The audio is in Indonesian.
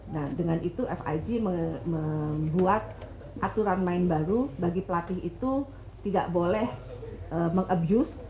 nah dengan itu fig membuat aturan main baru bagi pelatih itu tidak boleh mengabuse